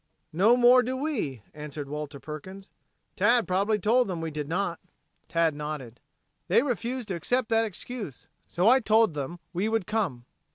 "No more do we," answered Walter Perkins. "Tad probably told them we did not." Tad nodded. "They refused to accept that excuse. So I told them we would come."